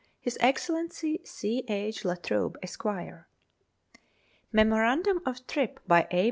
His Excellency C. J. La Trobe, Esq. MEMORANDUM OF TRIP BY A.